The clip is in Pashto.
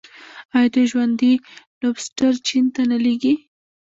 آیا دوی ژوندي لوبسټر چین ته نه لیږي؟